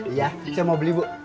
iya saya mau beli bu